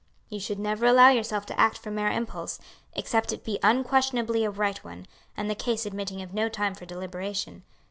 "You should never allow yourself to act from mere impulse, except it be unquestionably a right one, and the case admitting of no time for deliberation.